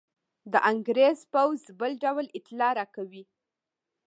د انګرېز پوځ بل ډول اطلاع راکوي.